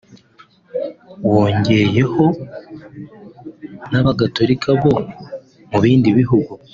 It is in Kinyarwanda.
wongeyeho n’abagatolika bo mu bindi bihugu